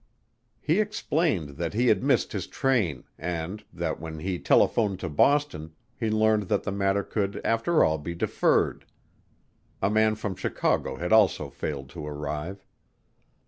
He explained that he had missed his train, and that when he telephoned to Boston, he learned that the matter could after all be deferred. A man from Chicago had also failed to arrive.